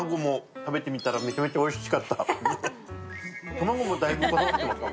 卵もだいぶこだわっていますか？